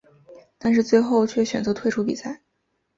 但是最后却选择退出比赛。